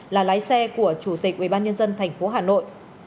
là lái xe của chủ tịch ubnd tp hà nội